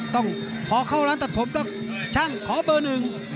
ต้องพอเข้าร้านตัดผมต้องช่างขอเบอร์หนึ่ง